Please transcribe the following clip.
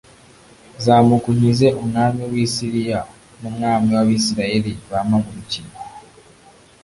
zamuka unkize umwami w'i siriya n'umwami w'abisirayeli bampagurukiye